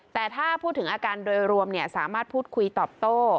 แต่ถ้าพูดถึงอาการโดยรวมสามารถพูดคุยตอบโต้